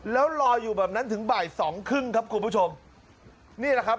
แล้วลอยอยู่แบบนั้นถึงบ่ายสองครึ่งครับคุณผู้ชมนี่แหละครับ